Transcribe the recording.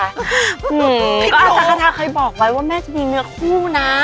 อาจารย์คาทาเคยบอกไว้ว่าแม่จะมีเนื้อคู่นะ